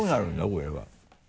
これは。